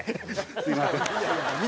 すみません。